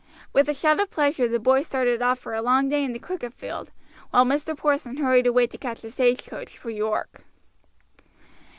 With a shout of pleasure the boys started off for a long day in the cricket field, while Mr. Porson hurried away to catch the stagecoach for York.